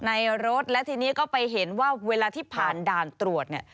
ในรถและทีนี้ก็ไปเห็นว่าเวลาที่ผ่านด่านตรวจเนี่ย